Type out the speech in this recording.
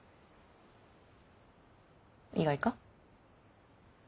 意外か？